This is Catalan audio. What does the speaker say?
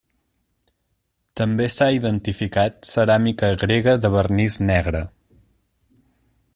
També s'ha identificat ceràmica grega de vernís negre.